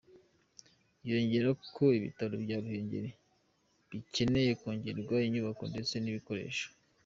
Yongera ho ko ibitaro bya Ruhengeli bikeneye kongererwa inyubako ndetse n’ibikoresho.